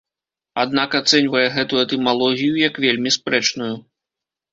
Аднак ацэньвае гэту этымалогію як вельмі спрэчную.